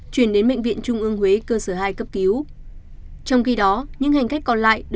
chuyển đến mệnh viện trung ương huế cơ sở hai cấp cứu